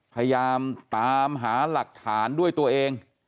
พยายามตามหาหลักฐานด้วยตัวเอง